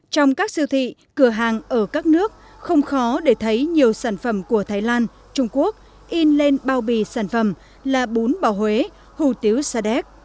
trong các siêu thị cửa hàng ở các nước không khó để thấy nhiều sản phẩm của thái lan trung quốc in lên bao bì sản phẩm là bún bào huế hủ tiếu sadek